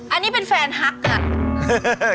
อันนี้เป็นแฟนฮักค่ะ